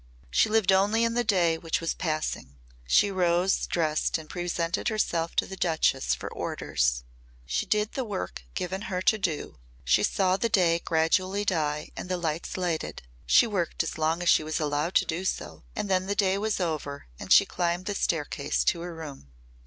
She lived only in the day which was passing. She rose, dressed and presented herself to the Duchess for orders; she did the work given her to do, she saw the day gradually die and the lights lighted; she worked as long as she was allowed to do so and then the day was over and she climbed the staircase to her room.